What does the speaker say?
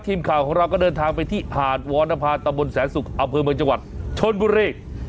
ทีมข่าวของเราก็เดินทางไปที่หาดวรรณภาตะบนแสนสุกอำเภอเมืองจังหวัดชนบุรี